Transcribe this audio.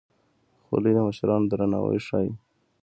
خولۍ د مشرانو درناوی ښيي.